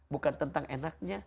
bukan tentang enaknya